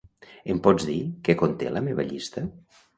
Em pots dir què conté la meva llista?